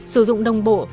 sử dụng đồng bộ